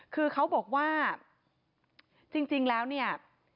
คือเขาบอกว่าจริงแล้วเนี่ย